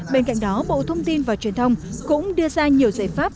bên cạnh đó bộ thông tin và truyền thông cũng đưa ra nhiều giải pháp